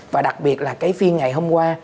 và đặc biệt là cái phiên ngày hôm qua